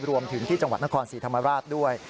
รวมถึงที่จังหวัดนครศรีธรรมราชด้วย